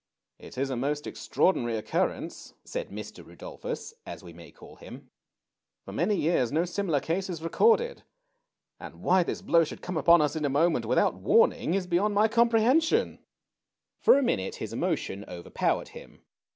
It is a most extraordinary occurrence," said Mr. Rudolphus, as we may call him. For many years no similar case is recorded. And why this blow should come upon us in a moment, without warning, is beyond my comprehension .'' 230 THE CHILDREN'S WONDER BOOK. For a minute his emotion overpowered him.